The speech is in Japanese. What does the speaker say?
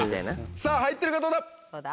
さぁ入ってるかどうだ？